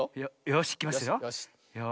よしいきますよ。